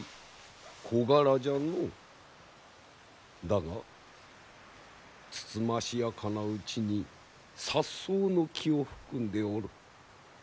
だがつつましやかなうちにさっそうの気を含んでおる。